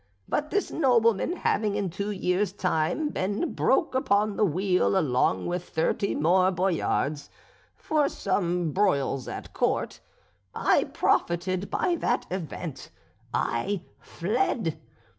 But this nobleman having in two years' time been broke upon the wheel along with thirty more Boyards for some broils at court, I profited by that event; I fled.